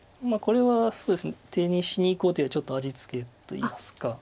これは手にしにいこうというよりちょっと味付けといいますか。